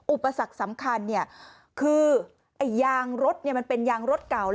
อุปสรรคสำคัญคือยางรถมันเป็นยางรถเก่า